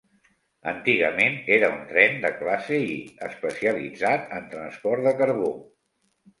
Antigament era un tren de classe I, especialitzat en transport de carbó.